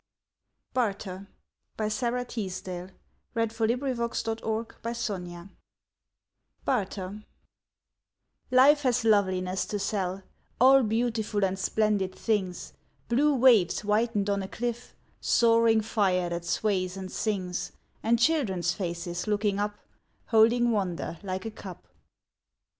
en Embers Message The Lamp IV A November Night Love Songs I Barter Life has loveliness to sell, All beautiful and splendid things, Blue waves whitened on a cliff, Soaring fire that sways and sings, And children's faces looking up Holding wonder like a cup.